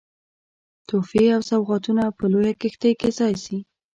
تحفې او سوغاتونه په لویه کښتۍ کې ځای سي.